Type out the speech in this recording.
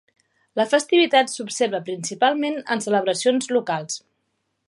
La festivitat s'observa principalment en celebracions locals.